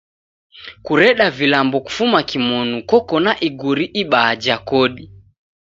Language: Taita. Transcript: Kureda vilambo kufuma kimonu koko na iguri ibaa ja kodi.